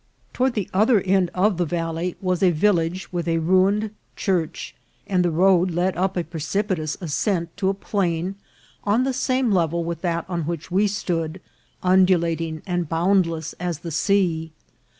Toward the other end of the valley was a village with a ruined church, and the road led up a precipitous ascent to a plain on the same level with that on which we stood, undulating and boundless as the sea.